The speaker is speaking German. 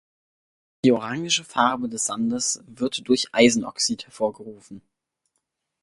Die orange Farbe des Sandes wird durch Eisenoxid hervorgerufen.